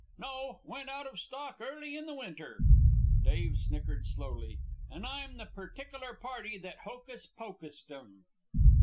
"No; went out of stock early in the winter." Dave snickered slowly. "And I'm the pertickler party that hocus pocused 'em."